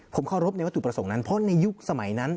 ผมเคารพในวัตถุประสงค์นั้นเพราะในยุคสมัยนั้น